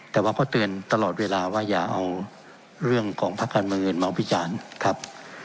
แต่ว่าเขาเตือนตลอดเวลาว่าอย่าเอาเรื่องของพระคันมืออื่นมาอุปิจารณ์ครับ